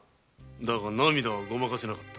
だが涙はごまかせなかった。